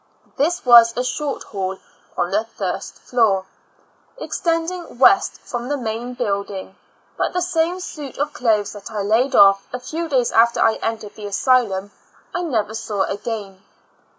This was a short hall on the first floor, extending west from the main building; but the same suit of clothes that I laid ofi", a few days after I entered the asylum, I never saw again.